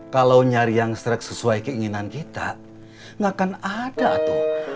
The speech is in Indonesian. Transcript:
kalau nyari yang stret sesuai keinginan kita gak akan ada tuh